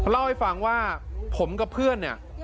เล่าให้ฟังว่าผมกับเพื่อนเนี่ย